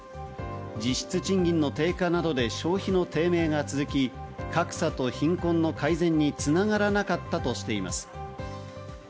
実質賃金の低下などで消費の低迷が続き、格差と貧困の改善に繋がらなかったとしています。